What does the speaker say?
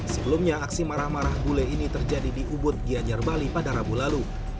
sebelumnya aksi marah marah bule ini terjadi di ubud gianyar bali pada rabu lalu